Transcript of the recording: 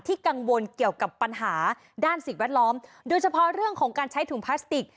กังวลเกี่ยวกับปัญหาด้านสิ่งแวดล้อมโดยเฉพาะเรื่องของการใช้ถุงพลาสติก